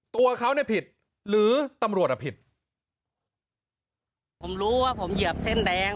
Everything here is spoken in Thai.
ตัวเขาเนี่ยผิดหรือตำรวจอ่ะผิดผมรู้ว่าผมเหยียบเส้นแดง